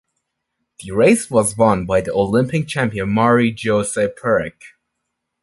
The race was won by the Olympic Champion Marie-Jose Perec.